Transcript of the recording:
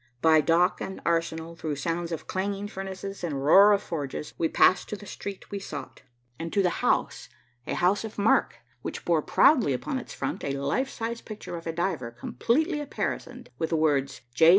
By dock and arsenal, through sounds of clanging furnaces and roar of forges, we passed to the street we sought and to the house, a house of mark which bore proudly upon its front a life size picture of a diver completely apparisoned, with the words "J.